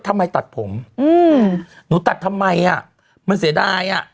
ทำไมตัดผมอืมหนูตัดทำไมอ่ะมันเสียดายอ่ะ